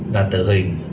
là tự hình